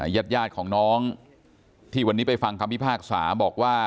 ญาติยาดของน้องที่วันนี้ไปฟังคำพิพากษาบอกว่า